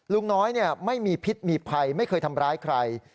ลุงน้อยไม่มีพิษมีภัยไม่เคยทำร้ายใคร